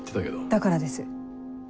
だからです。